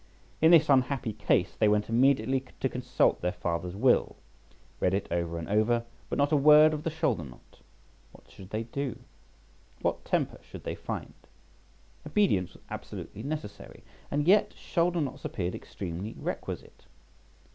In this unhappy case they went immediately to consult their father's will, read it over and over, but not a word of the shoulder knot. What should they do? What temper should they find? Obedience was absolutely necessary, and yet shoulder knots appeared extremely requisite.